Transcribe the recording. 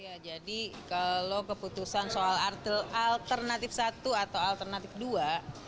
ya jadi kalau keputusan soal alternatif satu atau alternatif dua